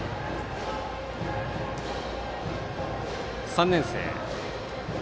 ３年生。